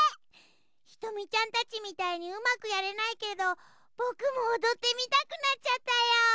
ひとみちゃんたちみたいにうまくやれないけどぼくもおどってみたくなっちゃったよ！